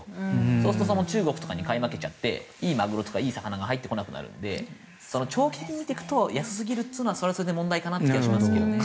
そうすると中国とかに買い負けちゃっていいマグロとかいい魚が入ってこなくなるので長期的に見ると安すぎるというのはそれはそれで問題かなという気がしますけどね。